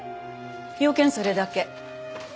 用件それだけ。